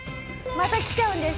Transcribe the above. また来ちゃうんです。